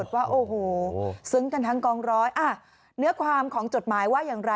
ว่าโอ้โหซึ้งกันทั้งกองร้อยเนื้อความของจดหมายว่าอย่างไร